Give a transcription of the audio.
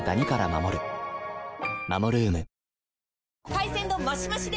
海鮮丼マシマシで！